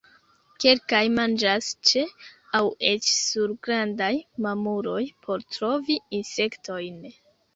Kelkaj manĝas ĉe aŭ eĉ sur grandaj mamuloj por trovi insektojn.